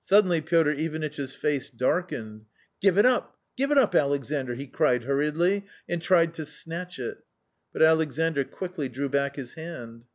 Suddenly Piotr Ivanitch's face darkened. " Give it up, give it up, Alexandr !" he cried hurriedly and tried to snatch it. But Alexandr quickly drew back his hand.